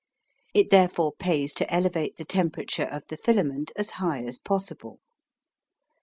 It therefore pays to elevate the temperature of the filament as high as possible.